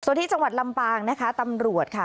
ส่วนที่จังหวัดลำปางนะคะตำรวจค่ะ